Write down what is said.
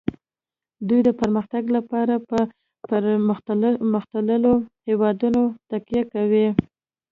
دوی د پرمختګ لپاره په پرمختللو هیوادونو تکیه کوي